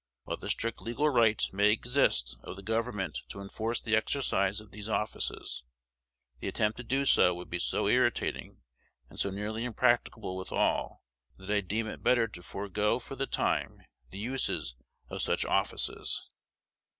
While the strict legal right may exist of the Government to enforce the exercise of these offices, the attempt to do so would be so irritating, and so nearly impracticable withal, that I deem it better to forego for the time the uses of such offices.